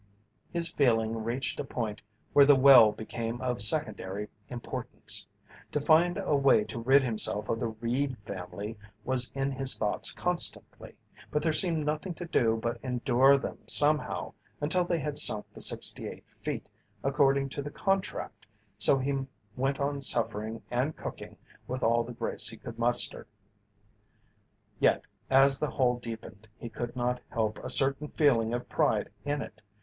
His feeling reached a point where the well became of secondary importance. To find a way to rid himself of the Reed family was in his thoughts constantly, but there seemed nothing to do but endure them somehow until they had sunk the sixty eight feet, according to the contract, so he went on suffering and cooking with all the grace he could muster. Yet as the hole deepened he could not help a certain feeling of pride in it.